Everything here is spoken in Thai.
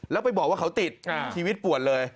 แล้วไปบอกว่าเขาติดชีวิตปวดเลย